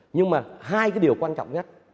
nhưng mà hai cái điều quan trọng nhất